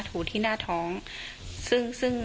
ถูที่หน้าท้อง